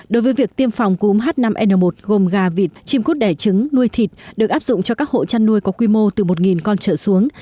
đối với việc tiêm phòng cúm h năm n một gồm gà vịt chim cút đẻ trứng nuôi thịt được áp dụng cho các hộ chăn nuôi có quy mô từ một con trở xuống